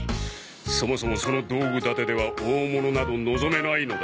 そもそもその道具立てでは大物など望めないのだ。